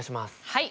はい。